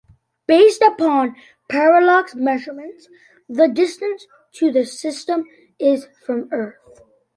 Based upon parallax measurements, the distance to this system is from Earth.